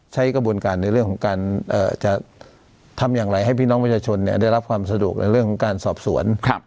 ใช้กระบวนการในเรื่องของการจะทำอย่างไรให้พี่น้องประชาชนได้รับความสะดวกในเรื่องของการสอบสวน